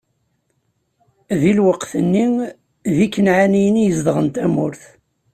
Di lweqt-nni, d Ikanɛaniyen i yezedɣen tamurt.